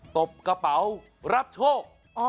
ตบกระเป๋ารับโชค